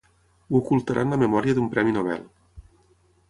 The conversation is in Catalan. Ho ocultarà en la memòria d'un premi Nobel.